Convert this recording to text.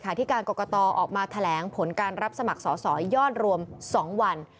ที่การกรกตออกมาแถลงผลการรับสมัครสอสอยอดรวม๒วัน